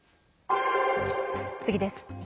次です。